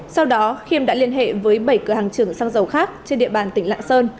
sau đó khiêm đã liên hệ với bảy cửa hàng trưởng xăng dầu khác trên địa bàn tỉnh lạng sơn